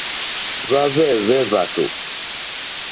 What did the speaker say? Hwáhwɛ̂hwɛ́ hwàtò.